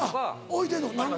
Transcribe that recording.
置いてんの？